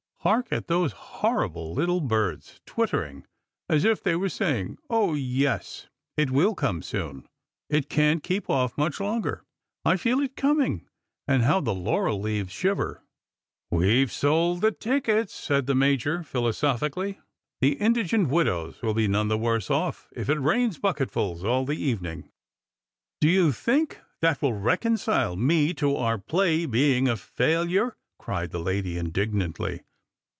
Hark at those horrible little birds twittering, as if they were saying, ' O yes, it will eome soon ; it can't keep off much longer ; I feel it coming.' And how the laurel leaves shiver." " We've sold the tickets," said the Major philosophically ; "the indigent widows wiU bo none the worse ofl' if it raina bucketfuls aU the eveniug." 198 Strangers and Pilp'ims. u ' 'Do you think that will reconcile me to our play being a failui e?" cried the lady indignantly.